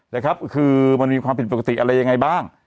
นะครับคือมันมีความผิดปกติอะไรยังไงบ้าง